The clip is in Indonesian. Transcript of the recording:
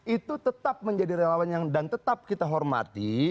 itu tetap menjadi relawan dan tetap kita hormati